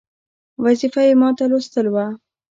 وظیفه یې ماته لوستل وه.